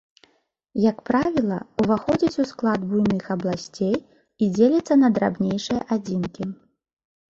Як правіла, уваходзіць у склад буйных абласцей і дзеліцца на драбнейшыя адзінкі.